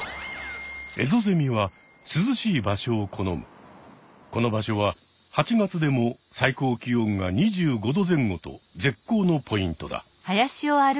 エゾゼミはこの場所は８月でも最高気温が２５度前後と絶好のポイントだ。